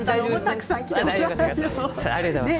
ありがとうございます。